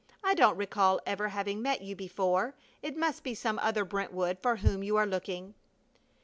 I don't recall ever having met you before. It must be some other Miss Brentwood for whom you are looking."